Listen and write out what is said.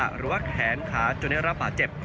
หรือว่าแขนขาจนได้รับบาดเจ็บ